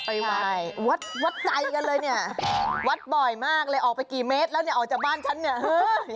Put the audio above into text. วัดวัดใจกันเลยเนี่ยวัดบ่อยมากเลยออกไปกี่เมตรแล้วเนี่ยออกจากบ้านฉันเนี่ยเฮ้ย